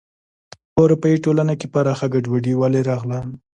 په اروپايي ټولنې کې پراخه ګډوډي ولې راغله.